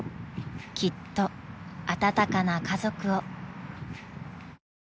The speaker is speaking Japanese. ［きっと温かな家族を］